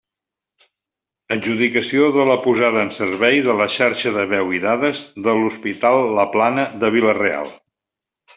Adjudicació de la posada en servei de la xarxa de veu i dades de l'Hospital La Plana de Vila-real.